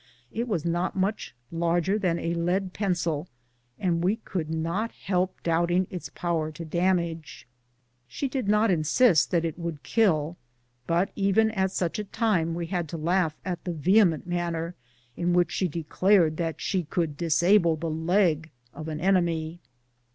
It was not much larger than a lead pencil, and we could not help doubting its power to damage. She did not insist that it would kill, but even at such a time we had to laugh at the vehement manner in which she declared that she could disable the leg of an enemy.